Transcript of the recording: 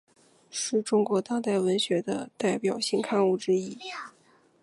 是中国当代文学的代表性刊物之一。